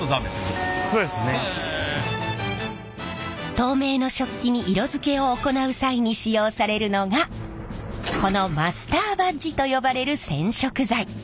透明の食器に色づけを行う際に使用されるのがこのマスターバッチと呼ばれる染色剤。